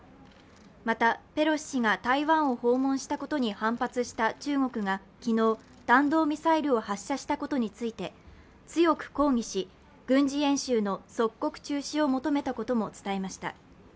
またペロシ氏が台湾を訪問したことに反発した中国が昨日、弾道ミサイルを発射したことについて強く抗議し、軍事演習の即刻中止を求めたことも伝えました。